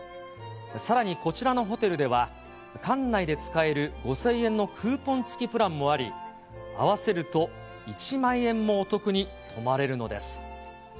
さらにこちらのホテルでは、館内で使える５０００円のクーポン付きプランもあり、合わせると１万円もお得に泊まれるのです。